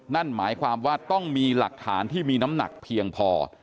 นั่นหมายความว่าต้องมีหลักฐานที่มีน้ำหนักเพียงพอ